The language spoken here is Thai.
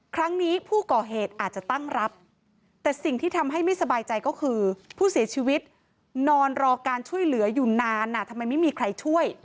ครั้งนี้ผู้ก่อเหตุอาจจะตั้งรับแต่สิ่งที่ทำให้ไม่สบายใจก็คือผู้เสียชีวิตนอนรอการช่วยเหลืออยู่นานทำไมไม่มีใครช่วย